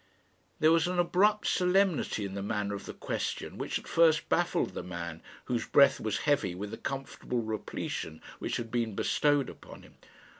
There was an abrupt solemnity in the manner of the question which at first baffled the man, whose breath was heavy with the comfortable repletion which had been bestowed upon him.